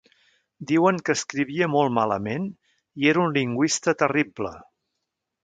Diuen que escrivia molt malament i era un lingüista terrible.